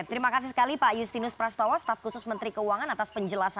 terima kasih sekali pak justinus prastowo staf khusus menteri keuangan atas penjelasannya